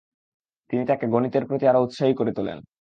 তিনি তাকে গণিতের প্রতি আরো উৎসাহী করে তোলেন।